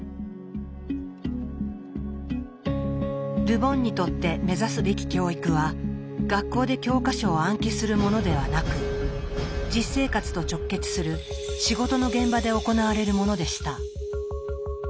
ル・ボンにとって目指すべき教育は学校で教科書を暗記するものではなく実生活と直結する仕事の現場で行われるものでした。